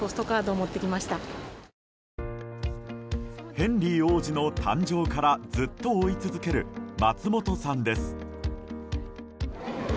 ヘンリー王子の誕生からずっと追い続ける松本さんです。